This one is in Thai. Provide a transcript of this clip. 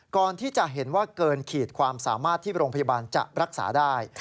ก่อนที่จะเห็นว่าเกินขีดความสามารถที่โรงพยาบาลจะรักษาได้